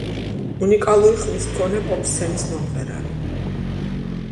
უნიკალური ხმის მქონე პოპ–სცენის მომღერალი.